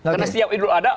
karena setiap idul ada